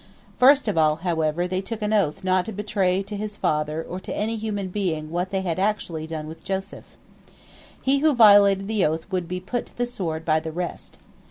First of all, however, they took an oath not to betray to his father or any human being what they bad actually done with Joseph. He who violated the oath would be put to the sword by the rest.